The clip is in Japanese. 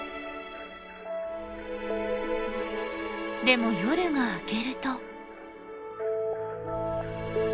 でも夜が明けると。